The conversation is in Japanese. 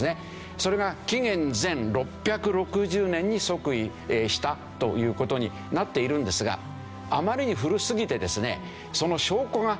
それが紀元前６６０年に即位したという事になっているんですがあまりに古すぎてですね